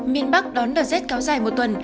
miền bắc đón đợt rét kéo dài một tuần